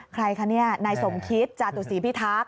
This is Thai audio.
ใครคะเนี่ยนายสมคิตจาตุศีพิทักษ